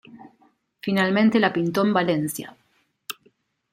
Finalmente la pintó en Valencia.